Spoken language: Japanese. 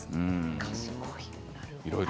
賢い。